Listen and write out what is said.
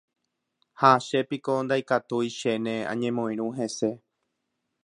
Ha chépiko ndaikatúi chéne añemoirũ hese.